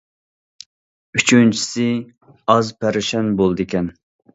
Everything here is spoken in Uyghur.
ئۈچىنچىسى: ئاز پەرىشان بولىدىكەن.